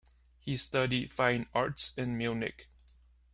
He studied fine arts in Munich.